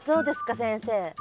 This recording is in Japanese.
先生。